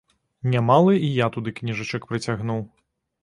Нямала і я туды кніжачак прыцягнуў.